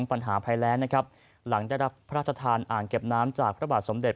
ปัญหาภัยแรงนะครับหลังได้รับพระราชทานอ่างเก็บน้ำจากพระบาทสมเด็จ